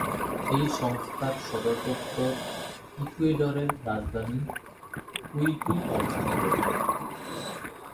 এই সংস্থার সদর দপ্তর ইকুয়েডরের রাজধানী কুইতোয় অবস্থিত।